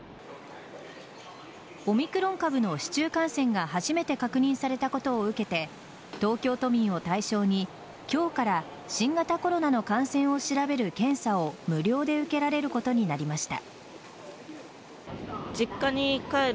オミクロン株の市中感染が初めて確認されたことを受けて東京都民を対象に今日から新型コロナの感染を調べる検査を無料で受けられることになりました。